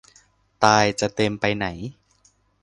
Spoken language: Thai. ตาย จะเต็มไปไหน